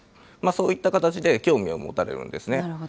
そういった形で興味を持たれるんですね。